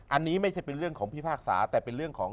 อันนี้ไม่ใช่เป็นเรื่องของพิพากษาแต่เป็นเรื่องของ